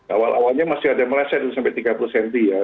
awal awalnya masih ada meleset sampai tiga puluh cm ya